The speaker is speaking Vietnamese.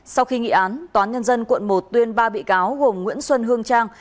sau khi nghị án toán nhân dân quận một tuyên ba bị cáo gồm nguyễn xuân hương trang